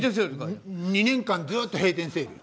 ２年間ずっと閉店セール。